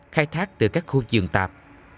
khai thác từ các khu vườn tạp